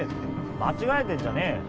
間違えてんじゃねえよ。